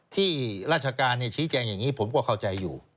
ที่ราชการชี้แจงอย่างนี้ผมก็เข้าใจอยู่